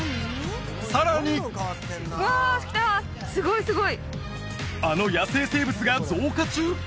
さらにあの野生生物が増加中？